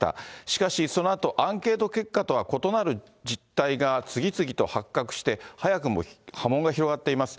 しかし、そのあとアンケート結果とは異なる実態が次々と発覚して、早くも波紋が広がっています。